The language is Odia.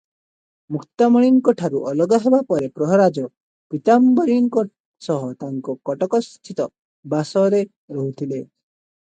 ମୁକ୍ତାମଣିଙ୍କଠାରୁ ଅଲଗା ହେବା ପରେ ପ୍ରହରାଜ ପୀତାମ୍ବରୀଙ୍କ ସହ ତାଙ୍କ କଟକସ୍ଥିତ ବସାରେ ରହୁଥିଲେ ।